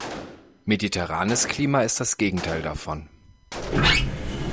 Mediterranes Klima ist das Gegenteil davon.